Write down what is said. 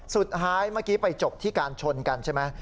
สุดท้ายเมื่อกี้ไปจบที่การชนกันใช่ไหม